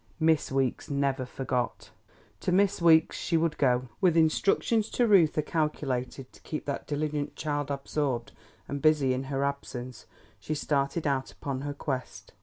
Miss Weeks never forgot; to Miss Weeks she would go. With instructions to Reuther calculated to keep that diligent child absorbed and busy in her absence, she started out upon her quest.